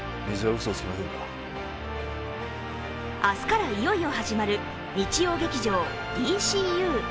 明日からいよいよ始まる日曜劇場「ＤＣＵ」。